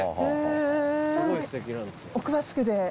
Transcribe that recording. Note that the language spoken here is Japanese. お詳しくて。